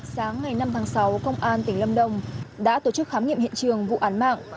sáng ngày năm tháng sáu công an tỉnh lâm đồng đã tổ chức khám nghiệm hiện trường vụ án mạng